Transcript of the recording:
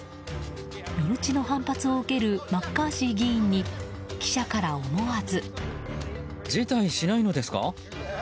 身内の反発を受けるマッカーシー議員に記者から思わず。